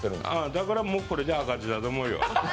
だからもうこれで赤字だと思うよ。